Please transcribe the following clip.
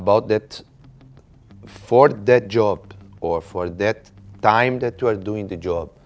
เพื่อทำงานหรือเพื่อทำงานในเวลาที่เราต้องทำ